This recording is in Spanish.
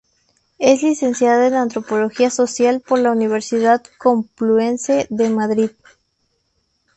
Es licenciada en Antropología Social por la Universidad Complutense de Madrid.